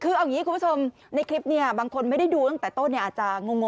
คือเอาอย่างนี้คุณผู้ชมในคลิปเนี่ยบางคนไม่ได้ดูตั้งแต่ต้นเนี่ยอาจจะงง